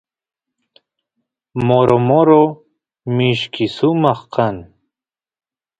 moro moro mishki sumaq kan